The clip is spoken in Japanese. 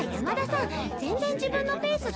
全然自分のペースじゃなかったよ。